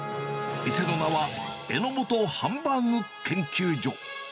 店の名は、榎本ハンバーグ研究所。